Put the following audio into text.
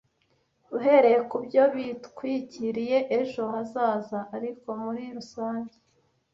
Uhereye kubyo bitwikiriye ejo hazaza; ariko muri rusange